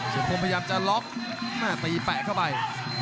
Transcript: เป็นปัตยาพยายามจะล็อคปีแปะเข้าไป